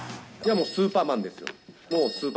もうスーパーマンです。